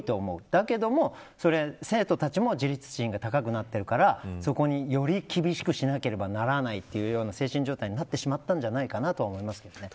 だけども生徒たちも自立心が高くなっているからそこに、より厳しくしなければならないというような精神状態になってしまったんじゃないかと思いますけどね。